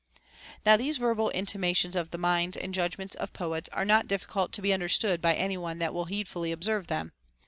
ft Now these verbal intimations of the minds and judgments of poets are not difficult to be understood by any one that will needfully observe them.